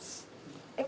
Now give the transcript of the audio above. えっ？